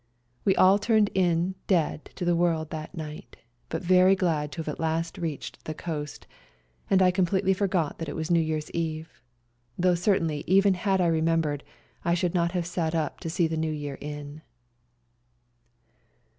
We all turned in dead to the world that night, but very glad to have at last reached the coast, and I completely forgot that it was New Year's Eve, though certainly even had I remembered I should not have sat up to see the New Year in.